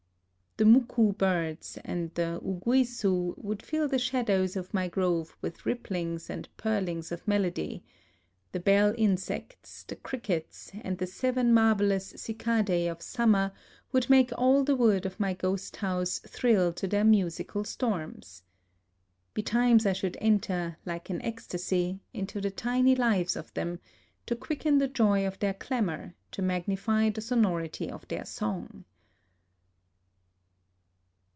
The W2w^2^ birds and the uguisu would fill the shadows of my grove with ripplings and A LIVING GOD 11 purlings of melody ;— the bell insects, the crickets, and the seven marvelous cicadse of summer would make all the wood of my ghost house thrill to their musical storms. Betimes I should enter, like an ecstasy, into the tiny lives of them, to quicken the joy of their clamor, to magnify the sonority of their song.